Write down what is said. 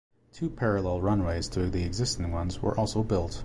Two parallel runways to the existing ones were also built.